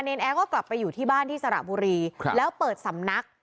แอร์ก็กลับไปอยู่ที่บ้านที่สระบุรีครับแล้วเปิดสำนัก